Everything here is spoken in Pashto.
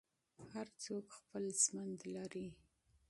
هر څوک خپل ژوند لري.